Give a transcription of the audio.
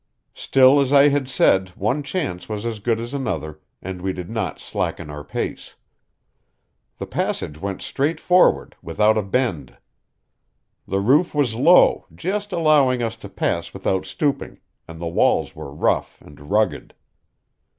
Still as I had said, one chance was as good as another, and we did not slacken our pace. The passage went straight forward, without a bend. The roof was low, just allowing us to pass without stooping, and the walls were rough and rugged.